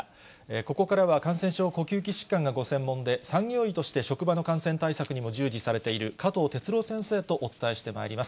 ここからは感染症呼吸器疾患がご専門で、産業医として職場の感染対策にも従事されている、加藤哲朗先生とお伝えしてまいります。